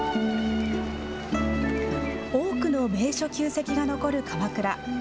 多くの名所旧跡が残る鎌倉。